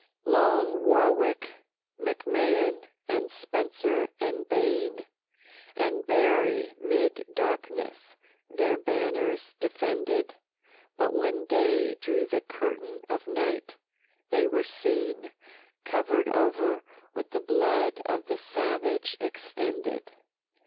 Long Warwick, McMahan, and Spencer, and Baen, And Berry, 'mid darkness their banners defended, But when day drew the curtain of night, they were seen Cover'd o'er with the blood of the savage, extended.